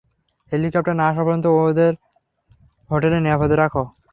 Helicopter না আসা পর্যন্ত ওদের হোটেলে নিরাপদে রাখো।